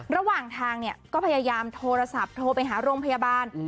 ระหว่างทางเนี่ยก็พยายามโทรศัพท์โทรไปหาโรงพยาบาล